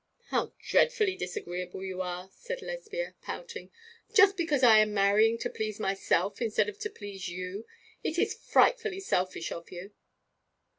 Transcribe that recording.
'How dreadfully disagreeable you are,' said Lesbia, pouting, 'just because I am marrying to please myself, instead of to please you. It is frightfully selfish of you.'